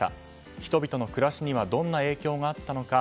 人々の暮らしにはどんな影響があったのか。